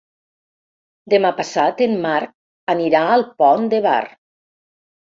Demà passat en Marc anirà al Pont de Bar.